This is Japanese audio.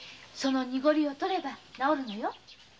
その濁りをとれば治るのよ。